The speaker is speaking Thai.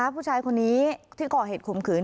ผู้ชายคนนี้ที่ก่อเหตุข่มขืน